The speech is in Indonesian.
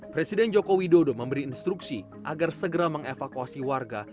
presiden joko widodo memberi instruksi agar segera mengevakuasi warga